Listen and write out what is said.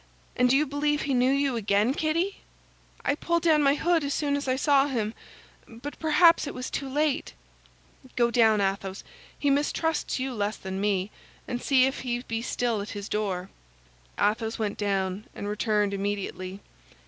And do you believe he knew you again, Kitty?" "I pulled down my hood as soon as I saw him, but perhaps it was too late." "Go down, Athos—he mistrusts you less than me—and see if he be still at his door." Athos went down and returned immediately.